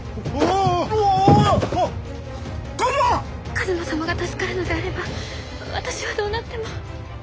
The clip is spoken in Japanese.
一馬様が助かるのであれば私はどうなっても。